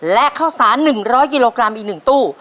และข้าวสาร๑๐๐กิโลกรัมอีก๑ตู้